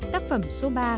tác phẩm số ba